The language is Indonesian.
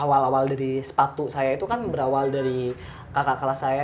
awal awal dari sepatu saya itu kan berawal dari kakak kelas saya